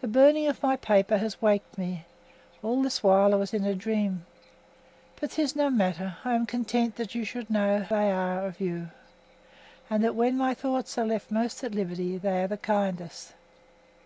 The burning of my paper has waked me; all this while I was in a dream. But 'tis no matter, I am content you should know they are of you, and that when my thoughts are left most at liberty they are the kindest.